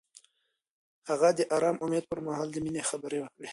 هغه د آرام امید پر مهال د مینې خبرې وکړې.